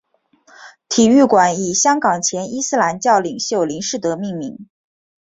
体育馆以香港前伊斯兰教领袖林士德命名。